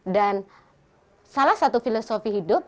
dan salah satu filosofi hidup